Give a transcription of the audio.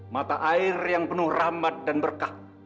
mata air yang penuh rahmat dan berkah